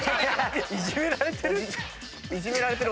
いじめられてる？